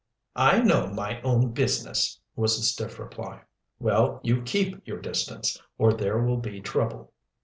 "I know my own business," was the stiff reply. "Well, you keep your distance, or there will be trouble."